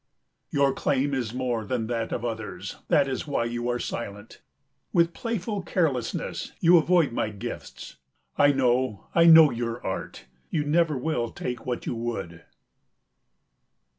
Your claim is more than that of others, that is why you are silent. With playful carelessness you avoid my gifts. I know, I know your art, You never will take what you would.